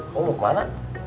kamu mau kemana